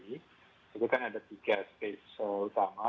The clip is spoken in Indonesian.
itu kan ada tiga space utama